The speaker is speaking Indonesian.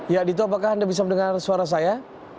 ya dito apakah anda bisa mendengar suara saya